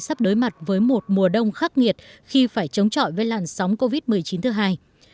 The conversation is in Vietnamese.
sắp đối mặt với một mùa đông khắc nghiệt khi phải chống chọi với làn sóng covid một mươi chín thứ hai